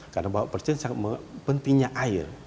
karena bapak presiden sangat pentingnya air